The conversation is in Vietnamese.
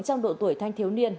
trong độ tuổi thanh thiếu niên